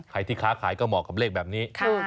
ใครที่ค้าขายก็เหมาะกับเลขแบบนี้